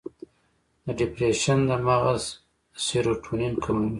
د ډیپریشن د مغز سیروټونین کموي.